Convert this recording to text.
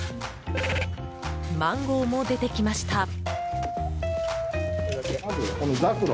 マンゴーも出てきました。